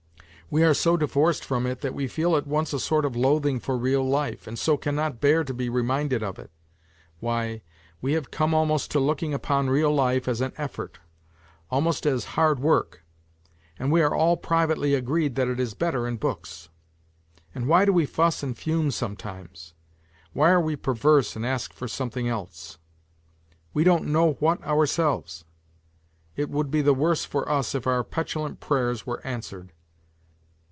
We are so divorced from it that we feel at once >a sort of loathing for real life, and so cannot bear to be reminded of it. Why, we have come almost to looking upon real life as an effort, almost as har^d work, and we are all privately agreed that it is better in books. And why do we fuss and fume some times ? Why are we perverse and ask for something else ? We don't know what ourselves. It would be the worse for us if our petulant prayers were answered.